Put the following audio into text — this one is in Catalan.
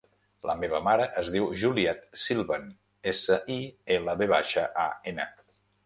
La meva mare es diu Juliette Silvan: essa, i, ela, ve baixa, a, ena.